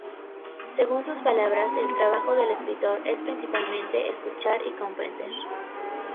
Según sus palabras el trabajo del escritor es principalmente escuchar y comprender.